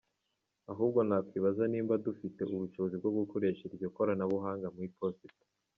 Ahubwo nakwibaza niba dufite ubushobozi bwo gukoresha iryo koranabuhanga mu Iposita.